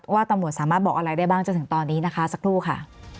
ว่าตำรวจสามารถบอกอะไรได้บ้างจนถึงตอนนี้นะคะสักครู่ค่ะ